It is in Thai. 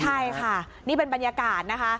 ใช่ค่ะนี่เป็นบรรยากาศนะคะ